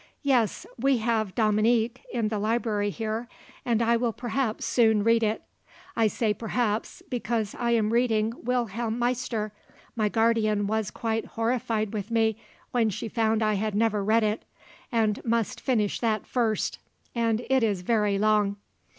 Yes, we have 'Dominique' in the library here, and I will perhaps soon read it; I say perhaps, because I am reading 'Wilhelm Meister' my guardian was quite horrified with me when she found I had never read it and must finish that first, and it is very long.